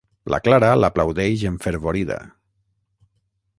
La Clara l'aplaudeix enfervorida.